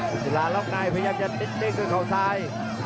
ภูเซลลาร่องนายพยายามจะดึกเกินข้อซ้าย